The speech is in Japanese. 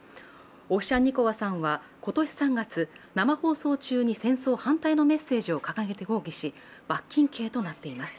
オフシャンニコワさんは今年３月、生放送中に戦争反対のメッセージを掲げて抗議し、罰金刑となっています。